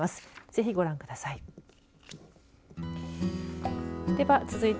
ぜひ、ご覧ください。